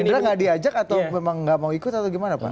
gerindra nggak diajak atau memang nggak mau ikut atau gimana pak